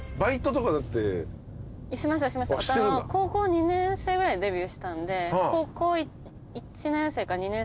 高校２年生ぐらいでデビューしたんで。